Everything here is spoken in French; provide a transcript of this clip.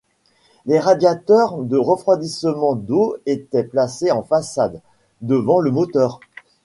Les radiateurs de refroidissement d'eau étaient placés en façade, devant le moteur.